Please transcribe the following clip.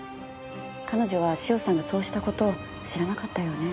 彼女は塩さんがそうした事を知らなかったようね。